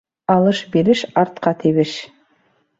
Алыш-биреш артҡа тибеш.